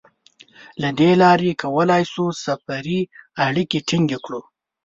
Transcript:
له دې لارې کولای شو سفري اړیکې ټینګې کړو.